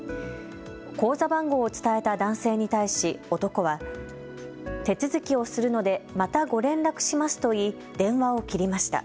口座番号を伝えた男性に対し男は手続きをするので、またご連絡しますと言い電話を切りました。